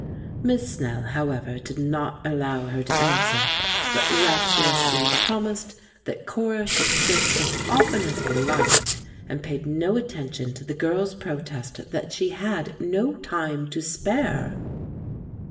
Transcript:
Miss Snell, however, did not allow her to answer, but rapturously promised that Cora should sit as often as he liked, and paid no attention to the girl's protest that she had no time to spare.